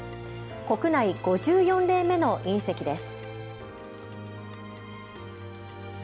国内５４例目の隕石です。